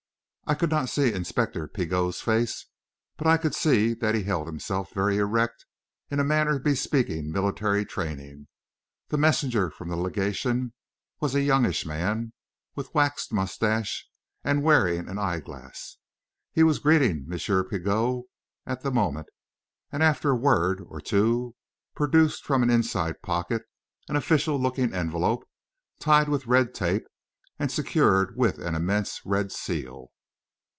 I could not see Inspector Pigot's face, but I could see that he held himself very erect, in a manner bespeaking military training. The messenger from the legation was a youngish man, with waxed moustache and wearing an eyeglass. He was greeting M. Pigot at the moment, and, after a word or two, produced from an inside pocket an official looking envelope, tied with red tape and secured with an immense red seal.